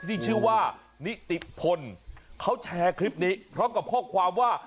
ที่ชื่อว่านิติพลเขาแชร์คลิปนี้พร้อมกับข้อความว่า